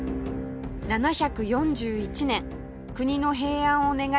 ７４１年国の平安を願い